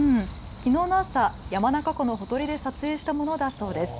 きのうの朝、山中湖のほとりで撮影したものだそうです。